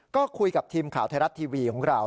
ก็คุยกับทีมข่าวไทยรัฐทีวีของเรา